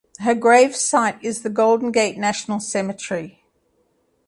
Her gravesite is in the Golden Gate National Cemetery.